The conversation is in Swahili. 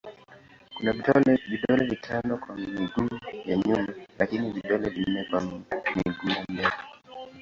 Kuna vidole vitano kwa miguu ya nyuma lakini vidole vinne kwa miguu ya mbele.